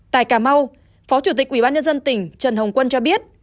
tại cà mau phó chủ tịch ubnd tỉnh trần hồng quân cho biết